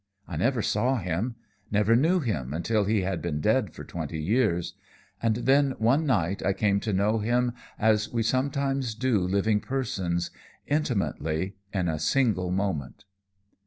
I never saw him never knew him until he had been dead for twenty years. And then, one night, I came to know him as we sometimes do living persons intimately, in a single moment."